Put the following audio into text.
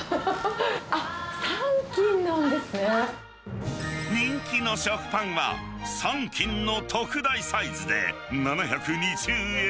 あっ、人気の食パンは、３斤の特大サイズで７２０円。